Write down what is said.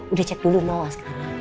udah cek dulu mal sekarang